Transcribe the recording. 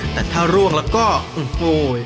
แต่ถ้าร่วงแล้วก็โอ้โห